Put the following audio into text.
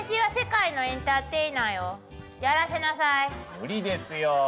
無理ですよ